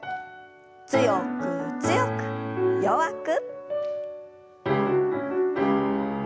強く強く弱く。